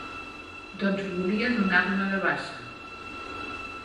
Doncs volia donar-me de baixa.